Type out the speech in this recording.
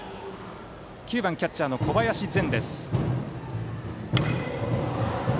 ９番、キャッチャーの小林然。